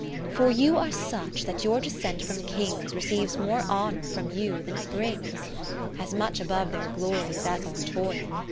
For you are such, that your descent from Kings Receives more honour from you than it brings : 20 As much above their glories as our toil.